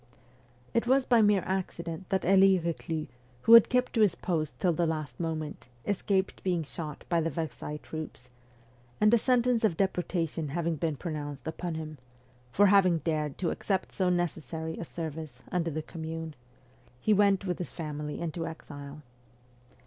It was by mere accident that Elie Reclus, who had kept to his post till the last moment, escaped being shot by the Versailles troops ; and a sentence of deportation having been pronounced upon him for having dared to accept so necessary a service under the Commune he went with his family into exile.